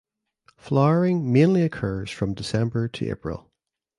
Flowering mainly occurs from December to April.